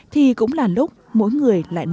thì cũng là lúc mỗi người lại nôn đồng